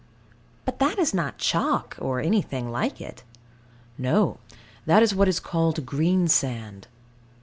But that is not chalk, or anything like it. No, that is what is called Greensand.